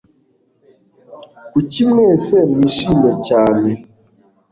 Kuki mwese mwishimye cyane